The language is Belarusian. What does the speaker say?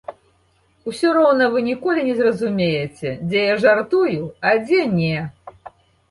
Усё роўна вы ніколі не зразумееце, дзе я жартую, а дзе не.